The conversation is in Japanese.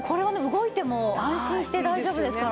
動いても安心して大丈夫ですからね。